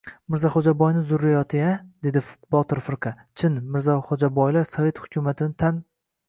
— Mirzaxo‘jaboyni zurriyoti-ya! — dedi Botir firqa. — Chin, Mirzaxo‘jaboylar sovet hukumatini tan